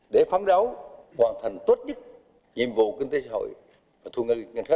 để phán đấu hoàn thành tốt nhất nhiệm vụ kinh tế xã hội và thu ngân khách năm nay